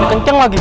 ini kenceng lagi